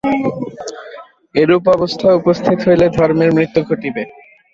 এরূপ অবস্থা উপস্থিত হইলে ধর্মের মৃত্যু ঘটিবে।